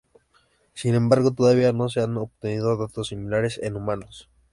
Sin embargo, todavía no se han obtenido datos similares en humanos.